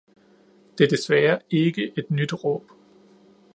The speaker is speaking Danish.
Det er desværre ikke et nyt råb.